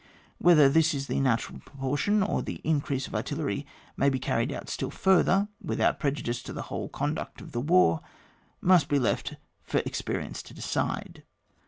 Whether this is the natural proportion, or that the increase of artillery may be carried still further, With out prej udice to the whole conduct of war, must be left for experience to decide.